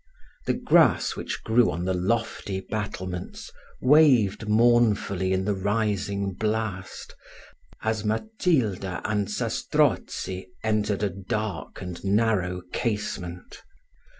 The grass which grew on the lofty battlements waved mournfully in the rising blast, as Matilda and Zastrozzi entered a dark and narrow casement.